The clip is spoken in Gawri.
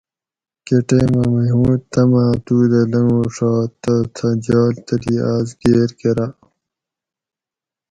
کہ ٹیمہ محمود تماۤں تو دہ لنگوشات تہ تھہ جال تلی آس گیر کۤرا